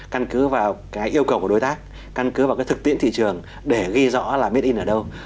căn cứ vào cái yêu cầu của đối tác căn cứ vào cái thực tiễn thị trường để ghi rõ là made in ở đâu